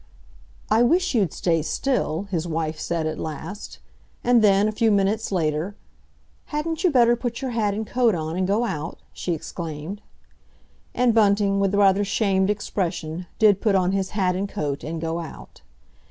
"I wish you'd stay still," his wife said at last. And then, a few minutes later, "Hadn't you better put your hat and coat on and go out?" she exclaimed. And Bunting, with a rather shamed expression, did put on his hat and coat and go out.